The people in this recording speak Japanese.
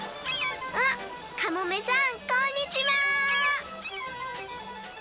あっカモメさんこんにちは！